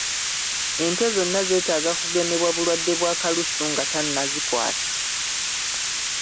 Ente zonna zetaaga kugemebwa bulwadde bwa kalusu nga tannazikwata.